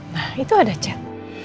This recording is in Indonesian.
nah itu ada chat